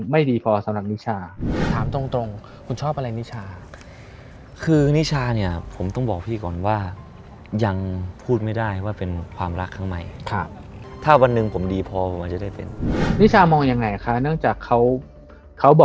มันไม่มีคำว่าดีพอคำว่าดีพอของใครเป็นยังไง